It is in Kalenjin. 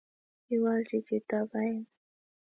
kiwalchi chitob aeng